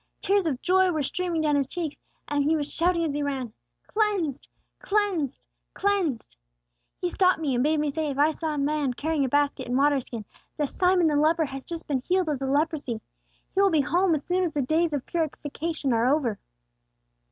Tears of joy were streaming down his cheeks, and he was shouting as he ran, 'Cleansed! Cleansed! Cleansed!' He stopped me, and bade me say, if I met a man carrying a basket and water skin, that Simon the leper has just been healed of the leprosy. He will be home as soon as the days of purification are over."